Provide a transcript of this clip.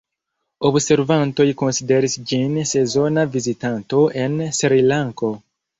Observantoj konsideris ĝin sezona vizitanto en Srilanko.